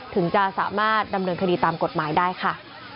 ถึงจะสามารถดำเนินคดีตามกฎหมายได้ค่ะ